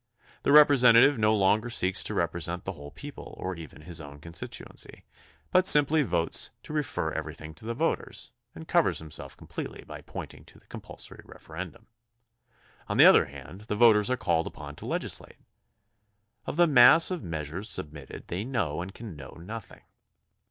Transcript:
The representative no longer seeks to represent the whole people or even his own constituency, but simply votes to refer every thing to the voters, and covers himself completely by pointing to the compulsory referendum. On the other hand, the voters are called upon to legislate. Of the mass of measures submitted they know and can know nothing.